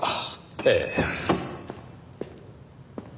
ええ。